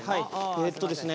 えっとですね